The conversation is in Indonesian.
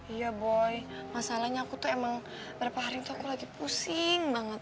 iya boy masalahnya aku tuh emang beberapa hari itu aku lagi pusing banget